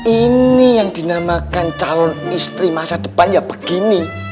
ini yang dinamakan calon istri masa depan ya begini